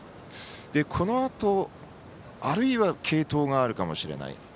このあと、あるいは継投があるかもしれない。